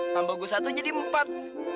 tambah gue satu jadi empat